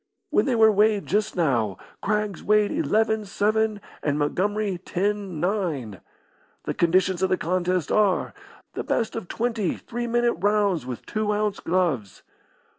When they were weighed just now, Craggs weighed eleven seven, and Montgomery ten nine. The conditions of the contest are the best of twenty three minute rounds with two ounce gloves.